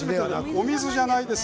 お水じゃないです。